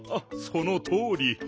そのとおり。